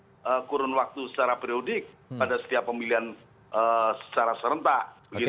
dan juga dalam setiap kurun waktu secara periodik pada setiap pemilihan secara serentak